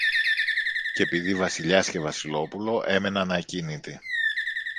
Κι επειδή Βασιλιάς και Βασιλόπουλο έμεναν ακίνητοι